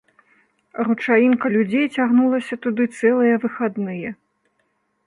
Ручаінка людзей цягнулася туды цэлыя выхадныя.